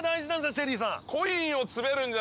チェリーさん